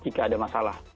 jika ada masalah